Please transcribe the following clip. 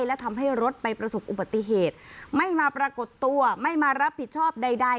และทำให้รถไปประสบอุบัติเหตุไม่มาปรากฏตัวไม่มารับผิดชอบใด